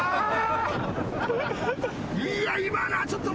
いや今のはちょっと。